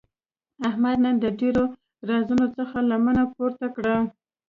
احمد نن د ډېرو رازونو څخه لمنه پورته کړه.